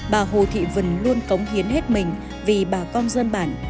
bà hồ thị vân luôn cống hiến hết mình vì bà con dân bản